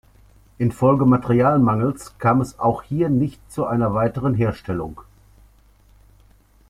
Infolge Materialmangels kam es aber auch hier nicht zu einer weiteren Herstellung.